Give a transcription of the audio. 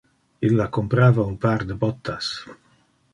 Illa comprava un par de bottas.